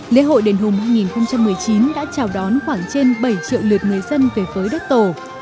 lễ hội đền hùng hai nghìn một mươi chín đã chào đón khoảng trên bảy triệu lượt người dân về với đất tổ